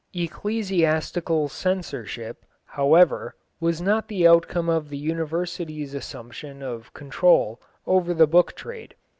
Ecclesiastical censorship, however, was not the outcome of the Universities' assumption of control over the book trade.